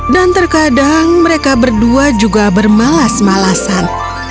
dan terkadang mereka berdua juga bermalas malasan